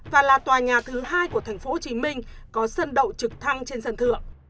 và là tòa nhà thứ hai của thành phố hồ chí minh có sân đậu trực thăng trên sân thượng